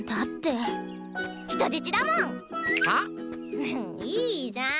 うふっいいじゃん。